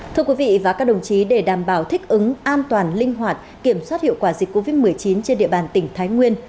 thưa quý vị và các đồng chí để đảm bảo thích ứng an toàn linh hoạt kiểm soát hiệu quả dịch covid một mươi chín trên địa bàn tỉnh thái nguyên